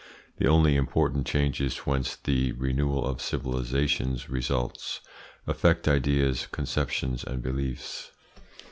The only important changes whence the renewal of civilisations results, affect ideas, conceptions, and beliefs.